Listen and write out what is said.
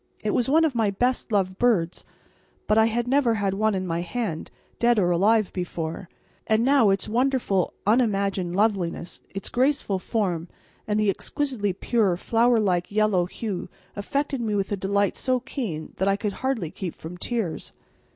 It was one of my best loved birds, but I had never had one in my hand, dead or alive, before, and now its wonderful unimagined loveliness, its graceful form, and the exquisitely pure flower like yellow hue affected me with a delight so keen that I could hardly keep from tears.